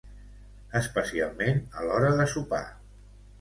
especialment a l'hora de sopar